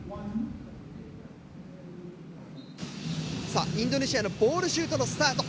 さあインドネシアのボールシュートのスタート。